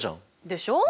でしょう？